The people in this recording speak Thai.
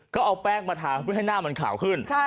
ก็เอาแป้งมาทาเพื่อให้หน้ามันขาวขึ้น